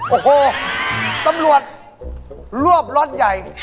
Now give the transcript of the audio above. โอ้โหตำรวจรวบรถใหญ่